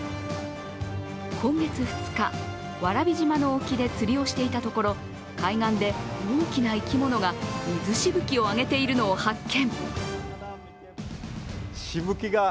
今月２日、蕨島の沖で釣りをしていたところ、海岸で大きな生き物が水しぶきを上げているのを発見。